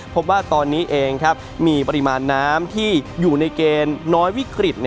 พบว่าตอนนี้เองมีปริมาณน้ำที่อยู่ในเกณฑ์น้อยวิกฤต